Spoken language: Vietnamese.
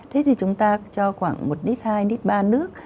thế thì chúng ta cho khoảng một nít hai nít ba nước